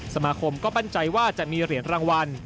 สมาคมก็มั่นใจว่าจะมีเหรียญรางวัล